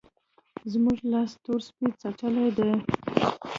زموږ لاس تور سپي څټلی دی.